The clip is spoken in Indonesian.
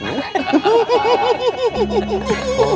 udah tua cepet ngantuk